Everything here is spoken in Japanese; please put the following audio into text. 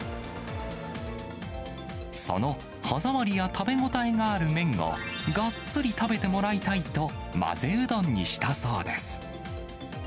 その歯触りや食べ応えのある麺をがっつり食べてもらいたいと、混ぜうどんにしたそうです。